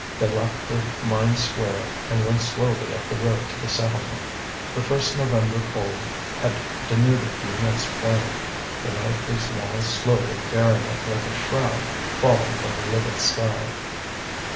They left the mine square and went slowly up the road to the settlement. The first November cold had denuded the immense plain; the night was now slowly burying it like a shroud fallen from the livid sky.